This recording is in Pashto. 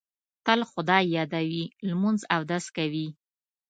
تل خدای یادوي، لمونځ اودس کوي.